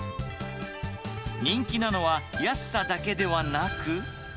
人気なのは、安さだけではなく。